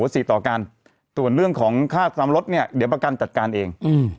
สี่ต่อกันส่วนเรื่องของค่าทำรถเนี่ยเดี๋ยวประกันจัดการเอง